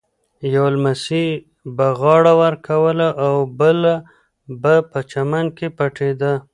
یوه لمسي به غاړه ورکوله او بل به په چمن کې پټېده.